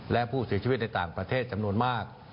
และผู้เสียชีวิตในต่างประเทศจำนวนมาก